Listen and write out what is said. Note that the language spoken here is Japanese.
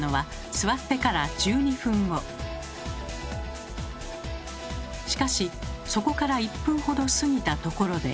しかしそこから１分ほど過ぎたところで。